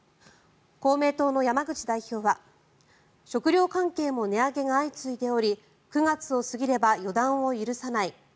公明党の山口代表は食料関係も値上げが相次いでおり９月を過ぎれば予断を許さない。